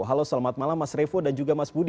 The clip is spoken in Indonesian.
halo selamat malam mas revo dan juga mas budi